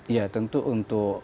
iya tentu untuk